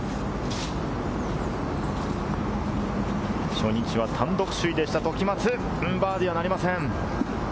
初日は単独首位でした時松、バーディーはなりません。